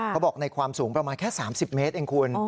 เขาบอกในความสูงประมาณแค่๓๐เมตรเองคุณ